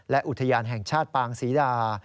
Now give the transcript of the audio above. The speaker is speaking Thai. และอุทยานแห่งชาติปางศรีดา